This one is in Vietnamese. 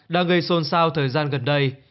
đang gây xôn xao thời gian gần đây